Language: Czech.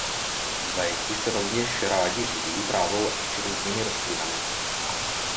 V zajetí se rovněž rádi živí trávou či různými rostlinami.